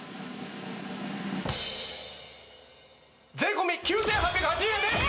税込９８８０円です！